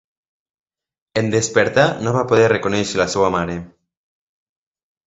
En despertar, no va poder reconèixer la seva mare.